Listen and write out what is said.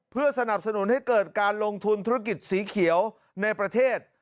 เพื่อสนับสนุนให้เกิดการลงทุนธุรกิจสีเขียวในประเทศ